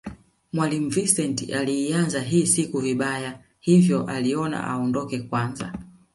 Mwalimu Vincent aliianza hii siku vibaya hivyo aliona aondoke kwanza